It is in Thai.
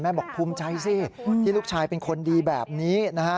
บอกภูมิใจสิที่ลูกชายเป็นคนดีแบบนี้นะฮะ